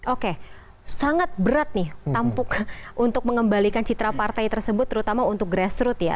oke sangat berat nih tampuk untuk mengembalikan citra partai tersebut terutama untuk grassroot ya